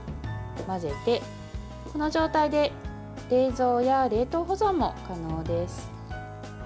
混ぜて、この状態で冷蔵や冷凍保存も可能です。